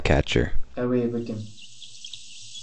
Ew ê bikin